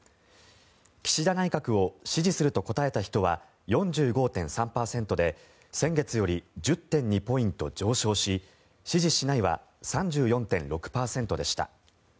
岸田内閣を支持すると答えた人は４５．３％で先月より１０．２ポイント上昇し支持しないは３４．６％でした。